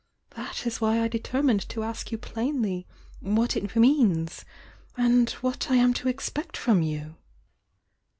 That is why I determined to ask you plainly what it means, and what I am to expect from you!"